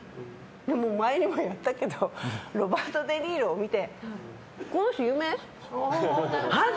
前にもやったけどロバート・デ・ニーロを見てこの人有名？って。